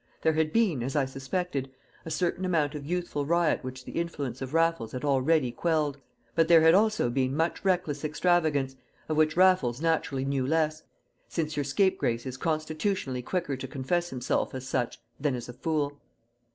There had been, as I suspected, a certain amount of youthful riot which the influence of Raffles had already quelled; but there had also been much reckless extravagance, of which Raffles naturally knew less, since your scapegrace is constitutionally quicker to confess himself as such than as a fool.